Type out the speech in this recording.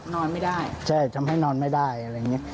นอนไม่ได้ใช่ทำให้นอนไม่ได้อะไรอย่างเงี้ย